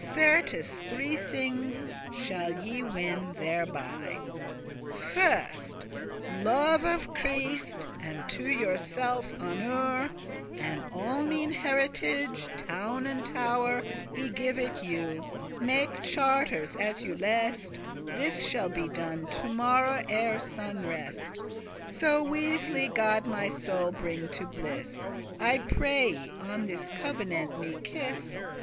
Certes three thinges shall ye win thereby: First, love of Christ, and to yourself honour, And all mine heritage, town and tow'r. I give it you, make charters as you lest; This shall be done to morrow ere sun rest, So wisly* God my soule bring to bliss! *surely I pray you, on this covenant me kiss.